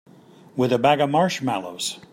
With a bag of marshmallows.